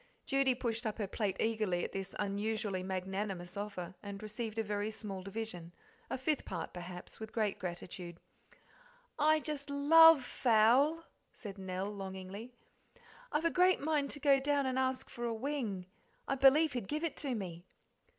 Judy pushed up her plate eagerly at this unusually magnanimous offer, and received a very small division, a fifth part, perhaps, with great gratitude. "I just LOVE fowl," said Nell longingly; "I've a great mind to go down and ask for a wing I believe he'd give it to me."